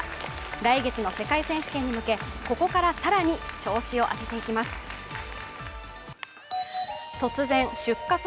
来月の世界選手権に向け、ここから更に調子を上げていきます。